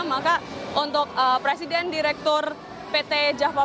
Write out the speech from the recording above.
maka untuk presiden direktur pt jaffa festival